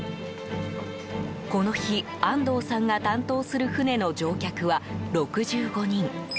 この日、安藤さんが担当する船の乗客は６５人。